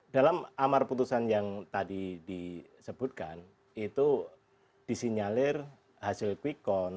dalam amar putusan yang tadi disebutkan itu disinyalir hasil quick count